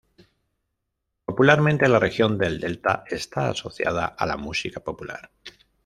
Popularmente, la región del Delta está asociada a la música popular.